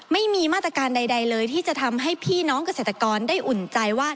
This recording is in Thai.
ไม่มีมาตรการใดเลยที่จะทำให้พี่น้องเกษตรกรได้อุ่นใจว่า